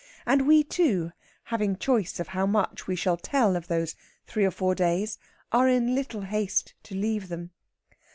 And we, too, having choice of how much we shall tell of those three or four days, are in little haste to leave them.